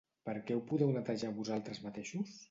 Per què ho podeu netejar vosaltres mateixos?